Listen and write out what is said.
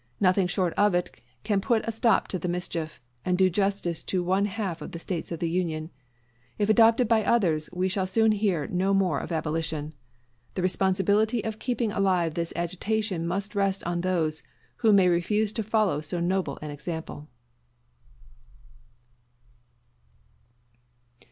Nothing short of it can put a stop to the mischief, and do justice to one half of the States of the Union. If adopted by others, we shall soon hear no more of abolition. The responsibility of keeping alive this agitation must rest on those who may refuse to follow so noble an example.